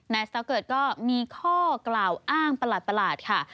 นายสก๊อตเกิดก็มีข้อกล่าวอ้างประหลัดค่ะ